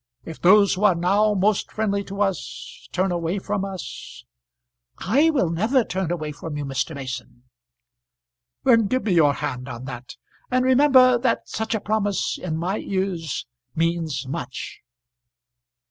If those who are now most friendly to us turn away from us " "I will never turn away from you, Mr. Mason." "Then give me your hand on that, and remember that such a promise in my ears means much."